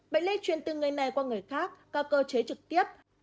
bệnh lây truyền từ người này qua người khác qua cơ chế trực tiếp